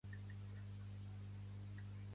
Pertany al moviment independentista el Leopold?